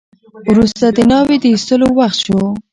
وروسته د ناوې د ایستلو وخت شو.